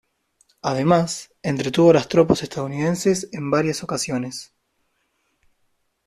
Además, entretuvo a las tropas estadounidenses en varias ocasiones.